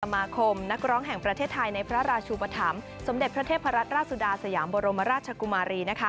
สมาคมนักร้องแห่งประเทศไทยในพระราชุปธรรมสมเด็จพระเทพรัตนราชสุดาสยามบรมราชกุมารี